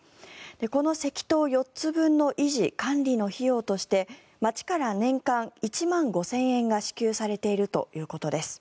この石塔４つ分の維持・管理の費用として町から年間１万５０００円が支給されているということです。